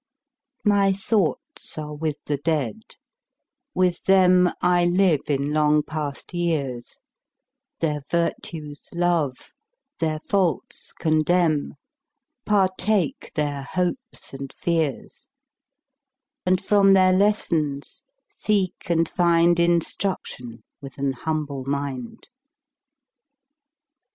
My thoughts are with the Dead; with them I live in long past years, Their virtues love, their faults condemn, 15 Partake their hopes and fears; And from their lessons seek and find Instruction with an humble mind.